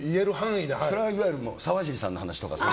それはいわゆる沢尻さんの話とか。